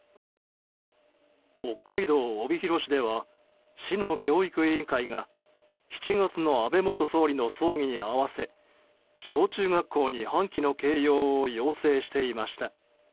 北海道帯広市では市の教育委員会が７月の安倍元総理の葬儀に合わせ小中学校に半旗の掲揚を要請していました。